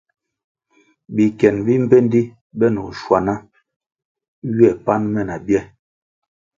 Bikien bi mbpendi benoh schuaná ywe pan me na bie.